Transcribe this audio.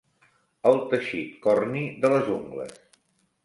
El teixit corni de les ungles.